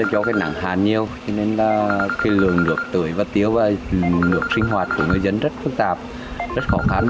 cho cái nắng hàn nhiều cho nên là cái lượng nước tưới và tiếu và nước sinh hoạt của người dân rất phức tạp rất khó khăn